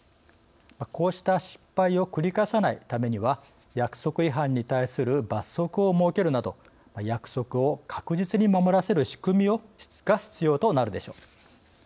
こうした失敗を繰り返さないためには約束違反に対する罰則を設けるなど約束を確実に守らせる仕組みが必要となるでしょう。